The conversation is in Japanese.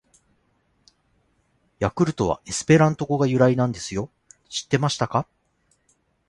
「ヤクルト」はエスペラント語が由来なんですよ！知ってましたか！！